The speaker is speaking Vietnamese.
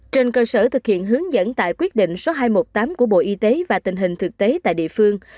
trên cơ sở thực hiện hướng dẫn tại quyết định số hai trăm một mươi tám của bộ y tế và tình hình thực tế tại địa phương